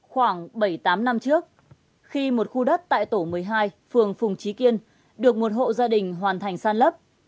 khoảng bảy mươi tám năm trước khi một khu đất tại tổ một mươi hai phường phùng trí kiên được một hộ gia đình hoàn thành san lấp